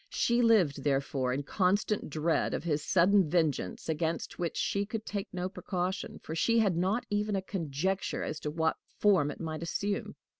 She lived, therefore, in constant dread of his sudden vengeance, against which she could take no precaution, for she had not even a conjecture as to what form it might assume.